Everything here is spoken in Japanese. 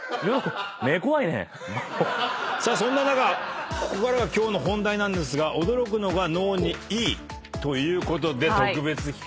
さあそんな中ここからが今日の本題なんですが驚くのが脳にいいということで特別企画です。